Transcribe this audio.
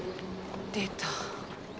出た。